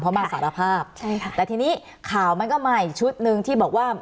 เพราะมาสารภาพใช่ค่ะแต่ทีนี้ข่าวมันก็มาอีกชุดหนึ่งที่บอกว่า